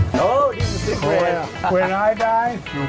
โอ้นี่คือสีเหลือง